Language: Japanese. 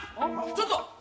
ちょっと！